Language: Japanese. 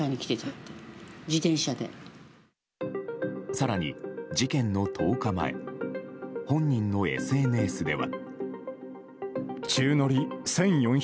更に、事件の１０日前本人のＳＮＳでは。